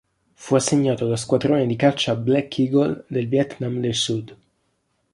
Fu assegnato allo squadrone di caccia "Black Eagle" del Vietnam del Sud.